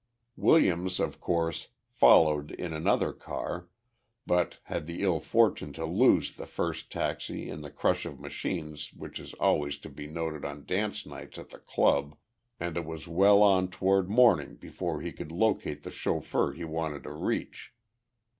Williams, of course, followed in another car, but had the ill fortune to lose the first taxi in the crush of machines which is always to be noted on dance nights at the club, and it was well on toward morning before he could locate the chauffeur he wanted to reach.